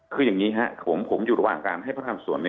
คืออย่างนี้ครับผมอยู่ระหว่างการให้พนักงานสวน